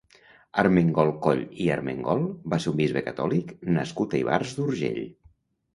Armengol Coll i Armengol va ser un bisbe catòlic nascut a Ivars d'Urgell.